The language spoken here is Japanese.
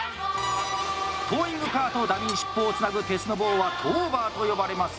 トーイングカーとダミーシップをつなぐ鉄の棒は「トーバー」と呼ばれます。